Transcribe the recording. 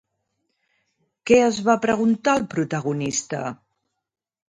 Què es va preguntar, el protagonista?